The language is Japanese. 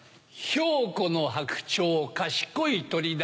瓢湖の白鳥賢い鳥だ。